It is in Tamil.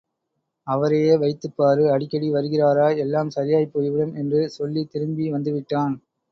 அவரையே வைத்துப்பாரு, அடிக்கடி வருகிறாரா? —எல்லாம் சரியாப் போய்விடும் — என்று சொல்லித் திரும்பி வந்துவிட்டான்.